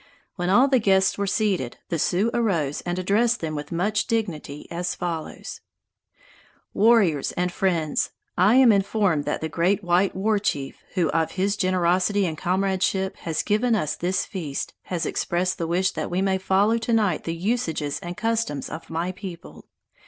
When all the guests were seated, the Sioux arose and addressed them with much dignity as follows: "Warriors and friends: I am informed that the great white war chief who of his generosity and comradeship has given us this feast, has expressed the wish that we may follow to night the usages and customs of my people.